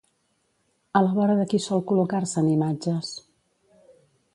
A la vora de qui sol col·locar-se en imatges?